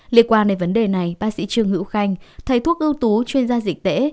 liên quan đến vấn đề này bác sĩ trương hữu khanh thầy thuốc ưu tú chuyên gia dịch tễ